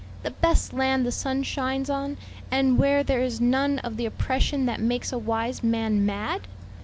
the best land the sun shines on; and where there is none of the oppression that makes a wise man mad!"